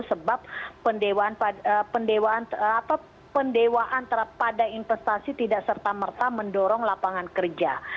sebab pendewaan pada investasi tidak serta merta mendorong lapangan kerja